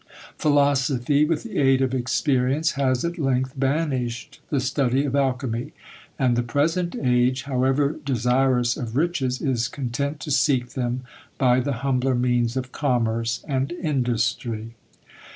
Philosophy, with the aid of experience, has at length banished the study of alchymy; and the present age, however desirous of riches, is content to seek them by the humbler means of commerce and industry."